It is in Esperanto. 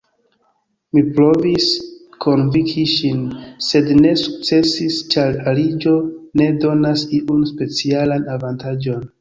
Mi provis konvinki ŝin, sed ne sukcesis, ĉar aliĝo ne donas iun specialan avantaĝon.